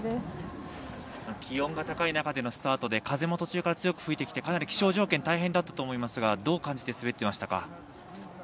気温が高い中でのスタートで風も途中から強く吹いてきてかなり気象条件が大変だったと思いますがどう感じて滑っていましたか。